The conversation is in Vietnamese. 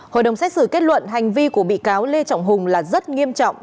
hội đồng xét xử kết luận hành vi của bị cáo lê trọng hùng là rất nghiêm trọng